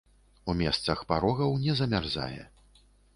У месцах парогаў не замярзае.